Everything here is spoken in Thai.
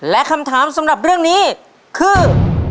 และคำถามสำหรับเรื่องนี้คือ